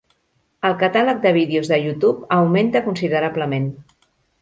El catàleg de vídeos de YouTube augmenta considerablement